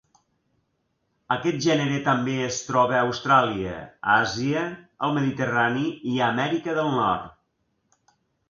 Aquest gènere també es troba a Austràlia, Àsia, el Mediterrani i Amèrica del Nord.